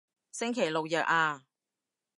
星期六日啊